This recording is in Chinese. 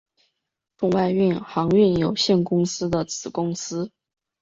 中外运航运有限公司的子公司。